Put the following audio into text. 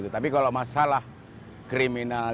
tapi kalau masalah kriminal